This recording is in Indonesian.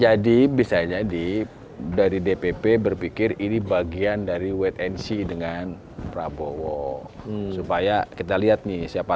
jadi bisa jadi dari dpp berpikir ini bagian dari wetensi dengan prabowo supaya kita lihat nih siapa